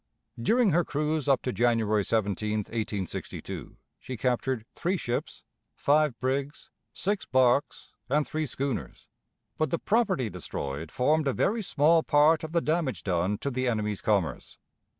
During her cruise up to January 17, 1862, she captured three ships, five brigs, six barks, and three schooners, but the property destroyed formed a very small part of the damage done to the enemy's commerce.